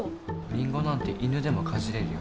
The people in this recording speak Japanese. リンゴなんて犬でもかじれるよ。